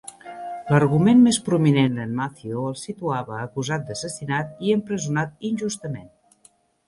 L'argument més prominent d'en Matthew el situava acusat d'assassinat i empresonat injustament.